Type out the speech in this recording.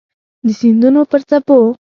د سیندونو پر څپو